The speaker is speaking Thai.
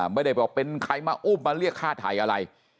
ไม่ได้บอกเป็นใครมาอุ้มมาเรียกฆ่าไทยอะไร